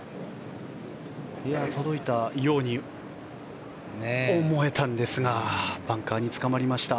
届いたように思えたんですがバンカーにつかまりました。